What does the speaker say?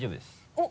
おっ。